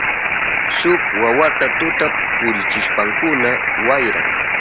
Shuk wawata tuta purichishpankuna wayran.